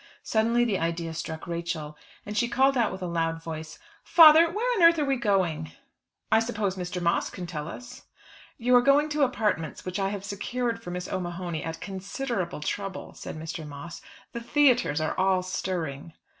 Suddenly the idea struck Rachel, and she called out with a loud voice, "Father, where on earth are we going?" "I suppose Mr. Moss can tell us." "You are going to apartments which I have secured for Miss O'Mahony at considerable trouble," said Mr. Moss. "The theatres are all stirring."